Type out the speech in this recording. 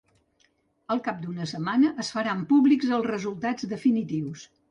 Al cap d’una setmana, es faran públics els resultats definitius.